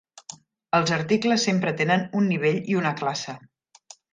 Els articles sempre tenen un nivell i una classe.